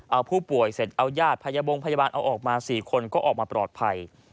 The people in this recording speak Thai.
เอาผู้ป่วยเสร็จเอายาดพยาบงพยาบาลเอาออกมา๔คนก็ออกมาปลอดภัย